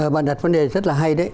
vâng đặt vấn đề rất là hay